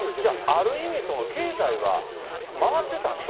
じゃあ、ある意味、その経済は回ってたんですね。